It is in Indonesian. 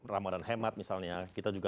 ramadan hemat misalnya kita juga